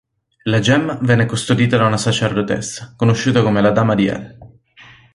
La gemma venne custodita da una sacerdotessa, conosciuta come la Dama di El.